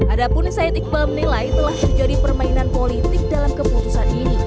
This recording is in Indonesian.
adapunin syed iqbal menilai telah menjadi permainan politik dalam keputusan ini